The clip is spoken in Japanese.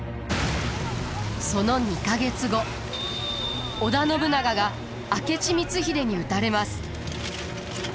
その２か月後織田信長が明智光秀に討たれます。